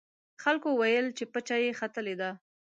خلکو ویل چې پچه یې ختلې ده.